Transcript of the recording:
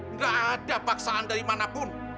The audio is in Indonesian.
nggak ada paksaan dari mana pun